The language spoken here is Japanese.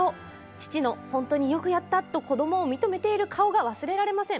父の本当によくやったと子どもを認めている顔が忘れられません。